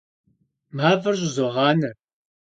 Maf'er ş'ızoğaner.